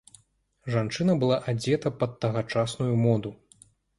Жанчына была адзета пад тагачасную моду.